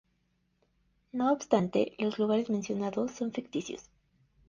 No obstante, los lugares mencionados son ficticios.